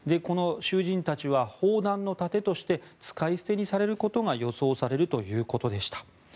囚人たちは砲弾の盾として使い捨てにされることが予想されるということでした。